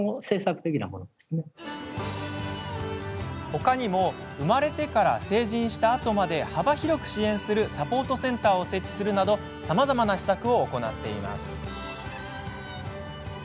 ほかにも生まれてから成人したあとまで幅広く支援するサポートセンターを設置するなどさまざまな施策を行っています。